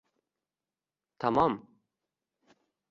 Tamom.